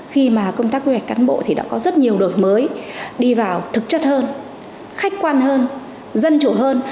khi mà công tác quy hoạch cán bộ thì đã có rất nhiều đổi mới đi vào thực chất hơn khách quan hơn dân chủ hơn